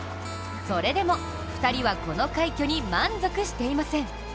それでも２人はこの快挙に満足していません。